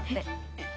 えっ？